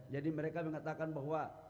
jadi mereka mengatakan bahwa